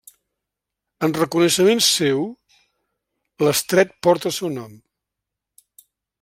En reconeixement seu l'estret porta el seu nom.